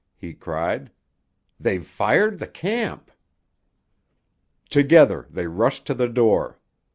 he cried. "They've fired the camp!" Together they rushed to the door.